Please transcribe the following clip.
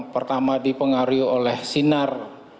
pertama dipengaruhi oleh sinar